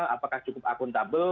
apakah cukup akuntabel